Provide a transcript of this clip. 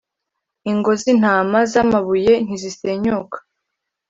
ingo z intama z amabuye ntizisenyuka